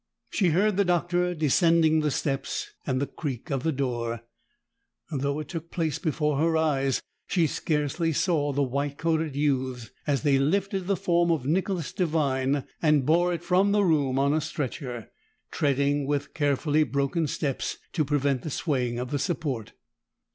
She heard the Doctor descending the steps, and the creak of the door. Though it took place before her eyes, she scarcely saw the white coated youths as they lifted the form of Nicholas Devine and bore it from the room on a stretcher, treading with carefully broken steps to prevent the swaying of the support.